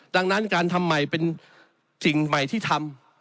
ดังนั้นการทำใหม่เป็นสิ่งใหม่ที่ทำ